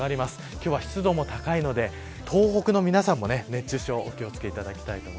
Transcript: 今日は湿度も高いので、東北の皆さんも熱中症にお気を付けください。